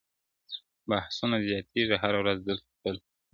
بحثونه زياتېږي هره ورځ دلته تل,